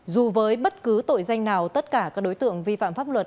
dù với bất cứ tội danh nào tất cả các đối tượng vi phạm pháp luật